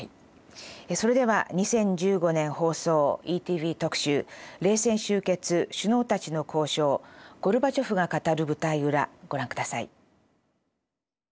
それでは２０１５年放送「ＥＴＶ特集」「冷戦終結首脳たちの交渉ゴルバチョフが語る舞台裏」ご覧下さい。